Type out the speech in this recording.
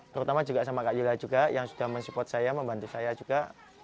terutama juga sama kak yula juga yang sudah mensupport saya membantu saya juga